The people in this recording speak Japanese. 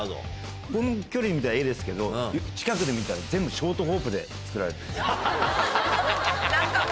この距離で見たら絵ですけど近くで見たら全部ショートホープで作られている。